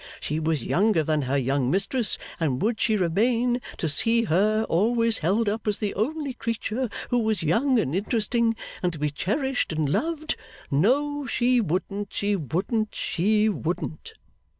She was younger than her young mistress, and would she remain to see her always held up as the only creature who was young and interesting, and to be cherished and loved? No. She wouldn't, she wouldn't, she wouldn't!